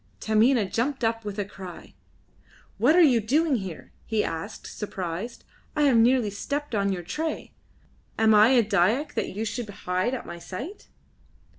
Taminah jumped up with a cry. "What are you doing here?" he asked, surprised. "I have nearly stepped on your tray. Am I a Dyak that you should hide at my sight?"